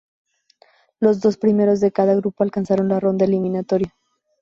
Los dos primeros de cada grupo alcanzaron la ronda eliminatoria.